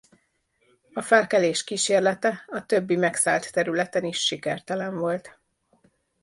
A felkelés kísérlete a többi megszállt területen is sikertelen volt.